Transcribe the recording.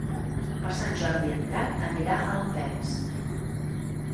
Per Sant Jordi en Drac anirà a Alpens.